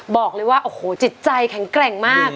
บอกเลยว่าโอ้โหจิตใจแข็งแกร่งมาก